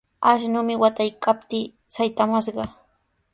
Ashnumi wataykaptii saytamashqa.